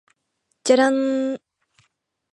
じゃらんーーーーー